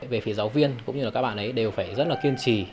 về phía giáo viên cũng như các bạn ấy đều phải rất kiên trì